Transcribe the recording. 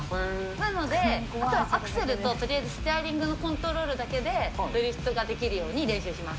なので、あとはアクセルと、とりあえずステアリングのコントロールだけでドリフトができるように練習します。